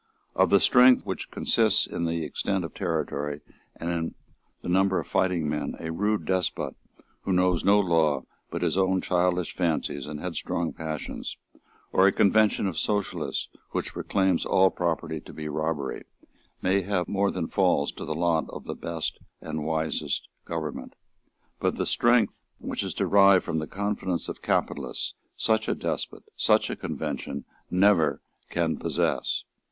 Of the strength which consists in extent of territory and in number of fighting men, a rude despot who knows no law but his own childish fancies and headstrong passions, or a convention of socialists which proclaims all property to be robbery, may have more than falls to the lot of the best and wisest government. But the strength which is derived from the confidence of capitalists such a despot, such a convention, never can possess.